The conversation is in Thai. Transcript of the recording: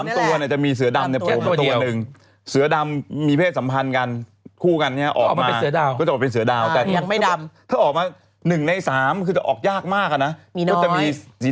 แต่ว่าเสือดำนี้เขาก็บอกว่าข้อออกมายากมากใช่มั้ยพี่